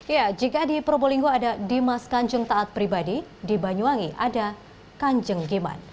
ya jika di probolinggo ada dimas kanjeng taat pribadi di banyuwangi ada kanjeng giman